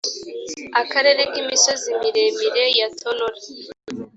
akarere k imisozi miremire ya tonora